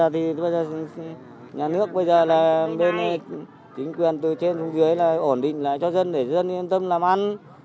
trên đường dưới là ổn định lại cho dân để dân yên tâm làm ăn